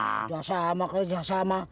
kerja sama kerja sama